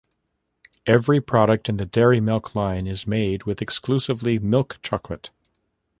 Every product in the Dairy Milk line is made with exclusively milk chocolate.